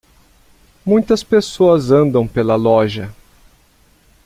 muitas pessoas andam pela loja.